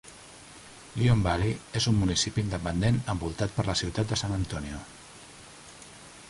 Leon Valley és un municipi independent envoltat per la ciutat de San Antonio.